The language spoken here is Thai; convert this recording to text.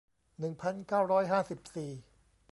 หนึ่งพันเก้าร้อยห้าสิบสี่